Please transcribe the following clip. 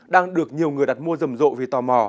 đang được nhiều người đặt mua rầm rộ vì tò mò